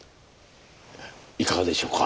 いかがでしょうか？